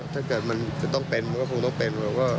ถ้าเกิดมันจะต้องเป็นมันก็คงต้องเป็น